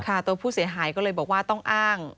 ตัวผู้เสียหายก็เลยบอกว่าต้องอ้าง